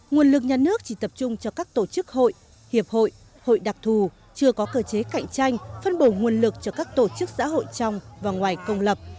nguồn lực nhà nước chỉ tập trung cho các tổ chức hội hiệp hội hội đặc thù chưa có cơ chế cạnh tranh phân bổ nguồn lực cho các tổ chức xã hội trong và ngoài công lập